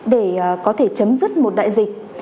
để có thể chấm dứt một đại dịch